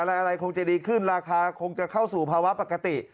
อะไรคงจะดีขึ้นราคาคงจะเข้าสู่ภาวะปกติ